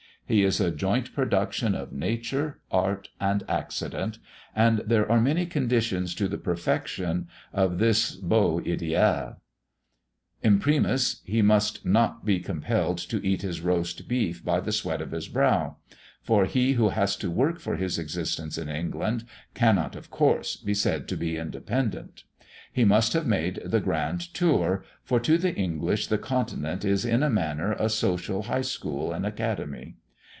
He is a joint production of nature, art, and accident; and there are many conditions to the perfection of this beau ideal. Imprimis, he must not be compelled to eat his roast beef by the sweat of his brow; for he who has to work for his existence in England cannot, of course, be said to be independent. He must have made the grand tour; for to the English the continent is in a manner a social high school and academy.